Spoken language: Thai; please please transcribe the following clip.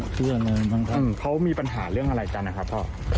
เพื่อนเลยบ้างครับเขามีปัญหาเรื่องอะไรกันนะครับพ่อ